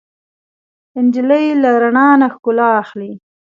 نجلۍ له رڼا نه ښکلا اخلي.